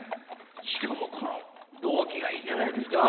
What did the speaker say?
しかもこの道着がいいじゃないですか。